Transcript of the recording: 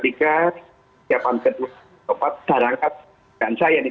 siapa yang kedua sopat darangkan dan saya nih